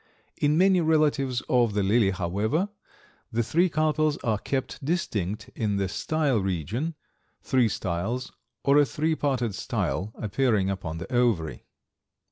In many relatives of the lily, however, the three carpels are kept distinct in the style region, three styles or a three parted style appearing upon the ovary.